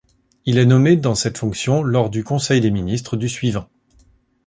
Il est nommé dans cette fonction lors du conseil des ministres du suivant.